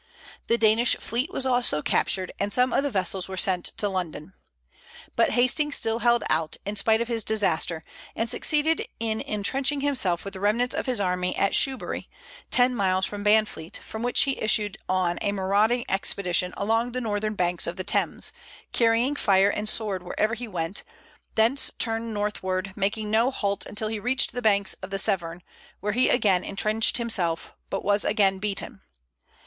The Danish fleet was also captured, and some of the vessels were sent to London. But Hasting still held out, in spite of his disaster, and succeeded in intrenching himself with the remnants of his army at Shoebury, ten miles from Banfleet, from which he issued on a marauding expedition along the northern banks of the Thames, carrying fire and sword wherever he went, thence turned northward, making no halt until he reached the banks of the Severn, where he again intrenched himself, but was again beaten.